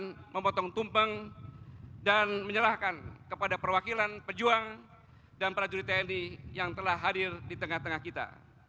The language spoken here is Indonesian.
dan saya juga ingin memotong tumpeng dan menyerahkan kepada perwakilan pejuang dan prajurit tni yang telah hadir di tengah tengah kita